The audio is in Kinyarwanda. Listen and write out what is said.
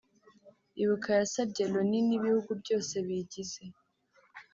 Ibuka yasabye Loni n’ibihugu byose biyigize